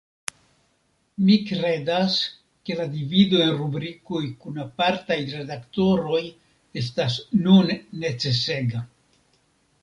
Mi kredas, ke la divido en rubrikoj kun apartaj redaktoroj estas nun necesega.